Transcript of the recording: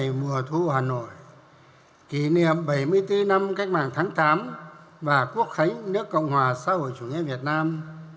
ngày mùa thu hà nội kỷ niệm bảy mươi bốn năm cách mạng tháng tám và quốc khánh nước cộng hòa xã hội chủ nghĩa việt nam